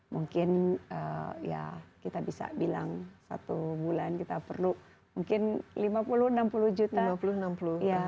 mungkin ya kita bisa bilang satu bulan kita perlu mungkin lima puluh enam puluh juta